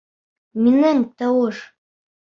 Минең тауыш!